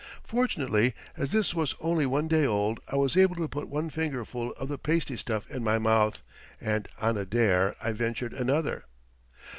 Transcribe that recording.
Fortunately, as this was only one day old, I was able to put one finger full of the pasty stuff in my mouth, and, on a dare, I ventured another.